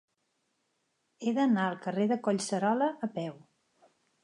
He d'anar al carrer de Collserola a peu.